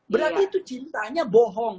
berarti itu cintanya bohong